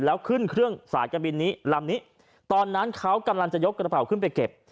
แล้วขึ้นเครื่องสายการบินนี้ลำนี้ตอนนั้นเขากำลังจะยกกระเป๋าขึ้นไปเก็บ